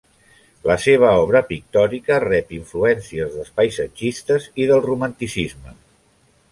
La seva obra pictòrica rep influències dels paisatgistes i del romanticisme.